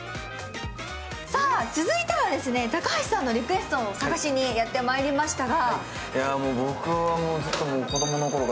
さあ続いては高橋さんのリクエストを探しにやってまいりましたが。